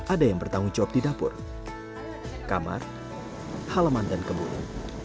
ada yang bertanggung jawab di dapur kamar halaman dan kebun